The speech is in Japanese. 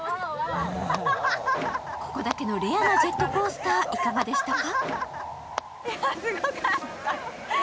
ここだけのレアなジェットコースター、いかがでしたか。